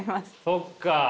そっかあ。